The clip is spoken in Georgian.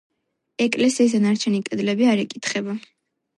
ეკლესიის დანარჩენი კედლები არ იკითხება.